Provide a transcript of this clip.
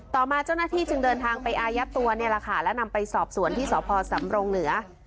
ต่อมาเจ้าหน้าที่จึงเดินทางไปอายัดตัวเนี่ยแหละค่ะและนำไปสอบสวนที่สพสำรงเหนือ